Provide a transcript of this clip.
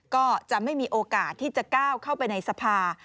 ก็จะไม่มีโอกาสที่จะก้าวเข้าไปในสภา